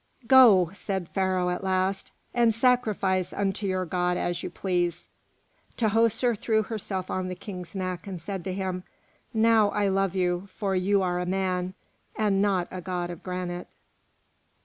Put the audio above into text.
"Go," said Pharaoh at last, "and sacrifice unto your God as you please." Tahoser threw herself on the King's neck, and said to him, "Now I love you, for you are a man, and not a god of granite."